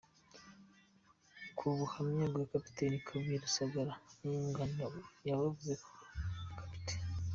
Ku buhamya bwa Capt Kabuye, Rusagara n’umwunganira bavuze ko Capt.